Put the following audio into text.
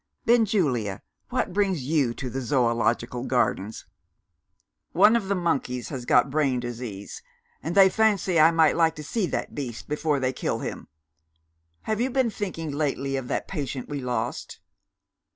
"Benjulia! what brings You to the Zoological Gardens?" "One of the monkeys has got brain disease; and they fancy I might like to see the beast before they kill him. Have you been thinking lately of that patient we lost?"